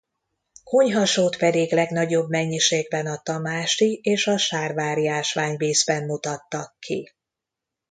Konyhasót pedig legnagyobb mennyiségben a tamási és a sárvári ásványvízben mutattak ki.